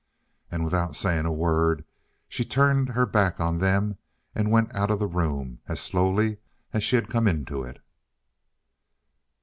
And without saying a word she turned her back on them and went out of the room as slowly as she had come into it.